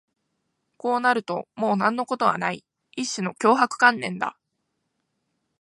こうなるともう何のことはない、一種の脅迫観念だ